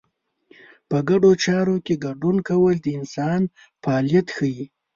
په ګډو چارو کې ګډون کول د انسان فعالیت ښيي.